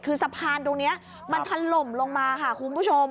คือสะพานตรงนี้มันถล่มลงมาค่ะคุณผู้ชม